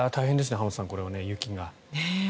浜田さん、これは雪が。